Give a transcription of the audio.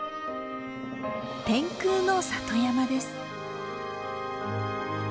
天空の里山です。